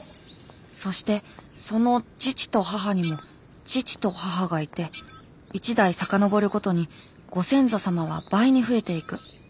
そしてその父と母にも父と母がいて１代遡るごとにご先祖様は倍に増えていく。